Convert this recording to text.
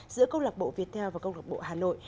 giữa câu lạc bộ viettel và công lạc bộ hà nội